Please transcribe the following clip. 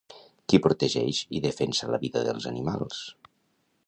Qui protegeix i defensa la vida dels animals?